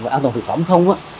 và an toàn thực phẩm không